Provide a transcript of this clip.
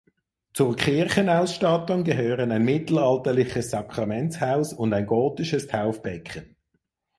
Zur Kirchenausstattung gehören ein mittelalterliches Sakramentshaus und ein gotisches Taufbecken.